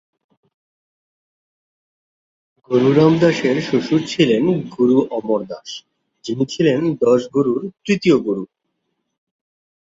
গুরু রাম দাসের শ্বশুর ছিলেন গুরু অমর দাস, যিনি ছিলেন দশ গুরুর তৃতীয় গুরু।